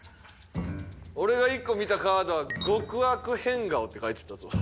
俺が１個見たカードは「極悪変顔」って書いてたぞ。